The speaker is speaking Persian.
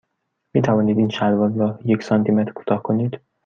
می توانید این شلوار را یک سانتی متر کوتاه کنید؟